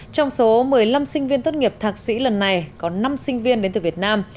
trong số một mươi năm sinh viên tốt nghiệp thạc sĩ lần này có năm sinh viên đến từ việt nam